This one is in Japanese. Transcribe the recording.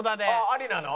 ありなの？